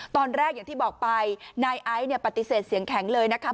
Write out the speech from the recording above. อย่างที่บอกไปนายไอซ์เนี่ยปฏิเสธเสียงแข็งเลยนะคะ